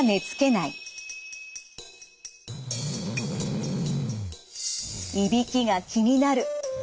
いびきが気になる。